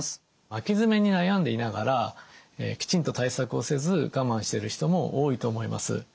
巻き爪に悩んでいながらきちんと対策をせず我慢してる人も多いと思います。